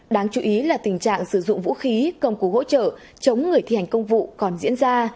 đáng chú ý là tình trạng sử dụng vũ khí công cụ hỗ trợ chống người thi hành công vụ còn diễn ra